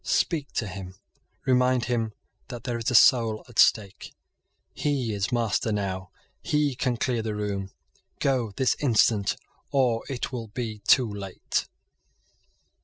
Speak to him. Remind him that there is a soul at stake. He is master now. He can clear the room. Go this instant, or it will be too late."